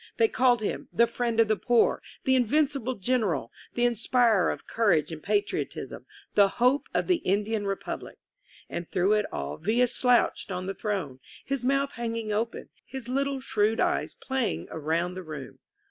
They called him "The Friend of the Poor," "The Invincible General," "The Inspirer of Courage and Patriotism," "The Hope of the Indian Republic." And through it all Villa slouched on the throne, his mouth hanging open, his little shrewd eyes playing around the room.